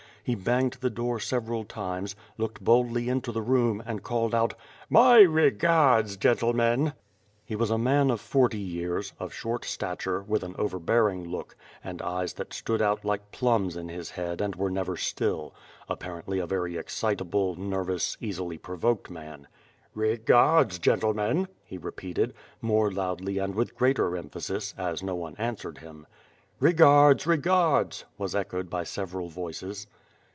He banged the door several times, looked boldly into the room, and called out: "My regards, gentlemen/' 20 ^ITH FIRE AND SWORD. He was a man of forty years, of short stature, with an overbearing look, and eyes that stood out like plums in his head and were never still; apparently a very excitable, ner vous, easily provoked man. "Begards, gentlemen," he repeated, more loudly and with greater emphasis, as no one answered him. "Kegards! Regards!" was echoed by several voices.